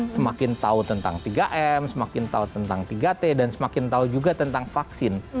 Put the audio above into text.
semakin tahu tentang tiga m semakin tahu tentang tiga t dan semakin tahu juga tentang vaksin